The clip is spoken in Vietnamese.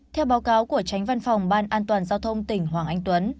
theo báo cáo của tránh văn phòng ban an toàn giao thông tỉnh hoàng anh tuấn